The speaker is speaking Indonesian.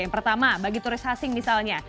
yang pertama bagi turis asing misalnya